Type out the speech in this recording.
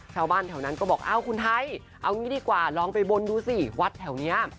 ชาวบ้านแถวนั้นก็บอกอ้าวคุณไทยเอางี้ดีกว่าลองไปบนดูสิวัดแถวนี้